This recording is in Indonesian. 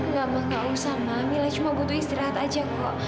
nggak ma nggak usah ma mila cuma butuh istirahat aja kok